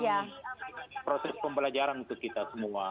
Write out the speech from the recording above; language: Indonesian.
jadi begini ini kan memang proses pembelajaran untuk kita semua